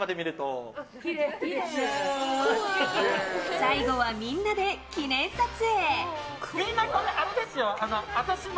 最後はみんなで記念撮影。